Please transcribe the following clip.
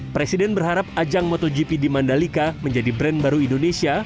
presiden berharap ajang motogp di mandalika menjadi brand baru indonesia